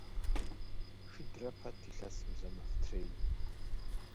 Шыдрэ пэт илъэсым зэ мэфтрей.